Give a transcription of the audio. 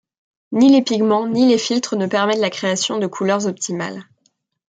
Ni les pigments ni les filtres ne permettent la création de couleurs optimales.